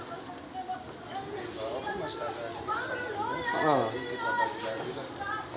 kalau di atas